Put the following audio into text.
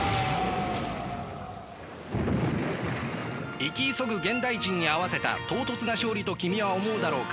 生き急ぐ現代人に合わせた唐突な勝利と君は思うだろうか。